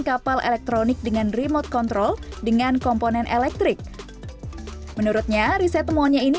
kapal elektronik dengan remote control dengan komponen elektrik menurutnya riset temuannya ini